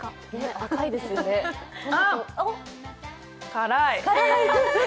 あっ！